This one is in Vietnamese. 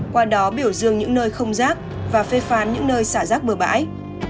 qua đó biểu dương những nơi không rác và phê phán những nơi xả rác bừa bãi